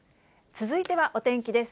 続いてはお天気です。